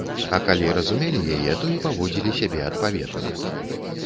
А калі разумелі яе, то і паводзілі сябе адпаведна.